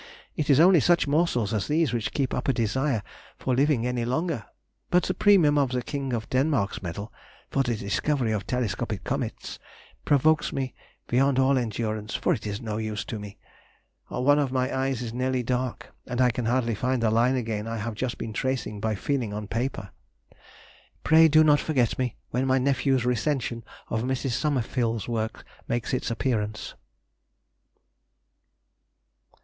It is only such morsels as these which keep up a desire for living any longer. But the premium of the King of Denmark's medal, for the discovery of telescopic comets, provokes me beyond all endurance, for it is of no use to me. One of my eyes is nearly dark, and I can hardly find the line again I have just been tracing by feeling on paper. Pray do not forget me when my nephew's recension of Mrs. Somerville's works makes its appearance....